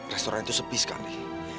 restoran itu sepi sekali